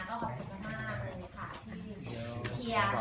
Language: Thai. ที่เชียร์